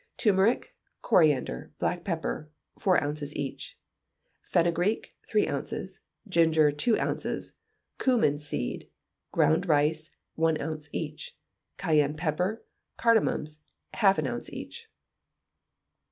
Turmeric, coriander, black pepper, four ounces each; fenugreek, three ounces; ginger, two ounces; cummin seed, ground rice, one ounce each; cayenne pepper, cardamums, half an ounce each.